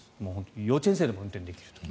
幼稚園生でも運転できると。